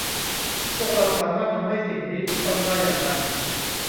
พวกเราสามารถทำให้สิ่งนี้ถูกต้องได้อย่างไร